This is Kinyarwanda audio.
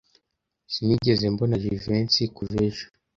Sinigeze mbona Jivency kuva ejo.